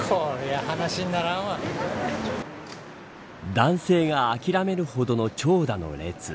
男性が諦めるほどの長蛇の列。